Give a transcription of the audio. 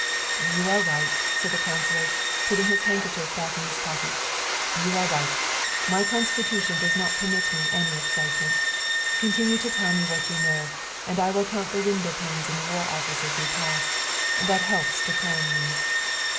" You are right," said the councilor, putting his hand kerchief back in his pocket, " you are right my constitu tion does not permit me any excitement. Continue to tell me what you know, and I will count the window panes in the War Office as we pass; that helps to calm me."